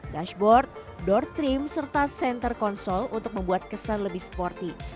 dashboard door trim serta center konsol untuk membuat kesan lebih sporty